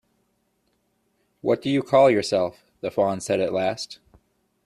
‘What do you call yourself?’ the Fawn said at last.